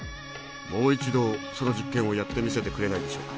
もう一度その実験をやってみせてくれないでしょうか。